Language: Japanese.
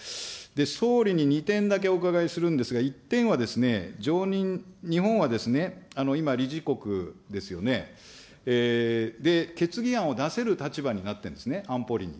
総理に２点だけお伺いするんですが、１点は、常任、日本は今、理事国ですよね、決議案を出せる立場になってるんですね、安保理に。